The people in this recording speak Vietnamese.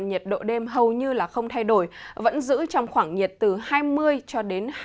nhiệt độ đêm hầu như không thay đổi vẫn giữ trong khoảng nhiệt từ hai mươi hai mươi ba độ